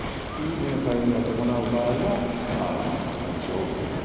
目のかゆみを伴う場合は花粉症を疑う。